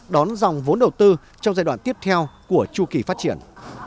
đón dòng vốn đầu tư trong giai đoạn tiếp theo của chu kỳ phát triển